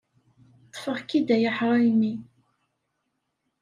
Ḍḍfeɣ-k-id a aḥṛaymi!